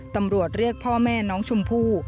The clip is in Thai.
ตำรวจเรียกพ่อแม่น้องชมพู่